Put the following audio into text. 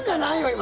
今。